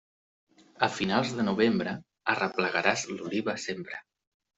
A finals de novembre, arreplegaràs l'oliva sempre.